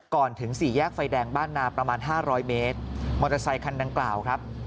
ถึงสี่แยกไฟแดงบ้านนาประมาณห้าร้อยเมตรมอเตอร์ไซคันดังกล่าวครับ